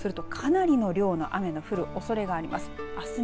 かなりの量の雨が降るおそれがあります。